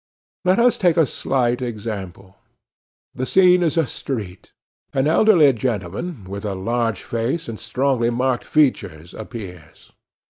Let us take a slight example. The scene is a street: an elderly gentleman, with a large face and strongly marked features, appears.